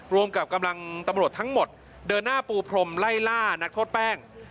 รวมกับกำลังตำรวจทั้งหมดเดินหน้าปูพรมไล่ล่านักโทษแป้ง